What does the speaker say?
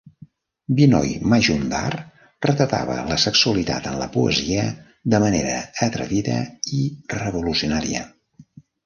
Binoy Majumdar retratava la sexualitat en la poesia de manera atrevida i revolucionària.